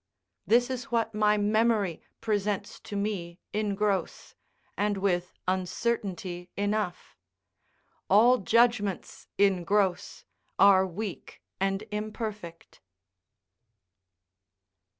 This is what my memory presents to me in gross, and with uncertainty enough; all judgments in gross are weak and imperfect.